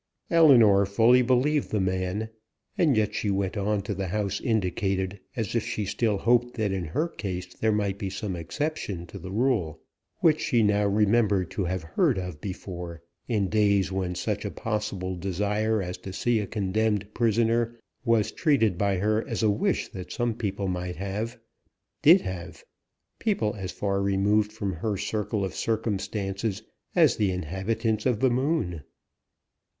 Ellinor fully believed the man, and yet she went on to the house indicated, as if she still hoped that in her case there might be some exception to the rule, which she now remembered to have heard of before, in days when such a possible desire as to see a condemned prisoner was treated by her as a wish that some people might have, did have people as far removed from her circle of circumstances as the inhabitants of the moon.